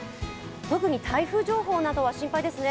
特に台風情報などは心配ですね。